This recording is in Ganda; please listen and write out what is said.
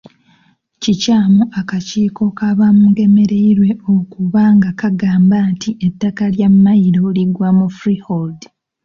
Kikyamu akakiiko ka Bamugemereire okuba ng'akagamba nti ettaka lya Mmayiro ligwa mu Freehold.